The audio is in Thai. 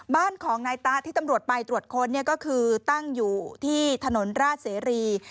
บ้านของนายตะที่ตำรวจไปตรวจค้นก็คือตั้งอยู่ที่ถนนราชเสรี